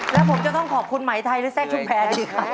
แล้วผมจะต้องขอบคุณไหมไทยหรือแทรกชุมแพรสิครับ